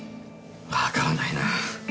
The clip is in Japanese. わからないなぁ。